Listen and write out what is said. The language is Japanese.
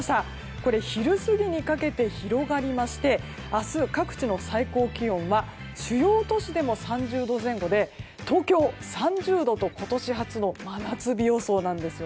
これ、昼過ぎにかけて広がりまして明日、各地の最高気温は主要都市でも３０度前後で東京３０度と今年初の真夏日予想なんです。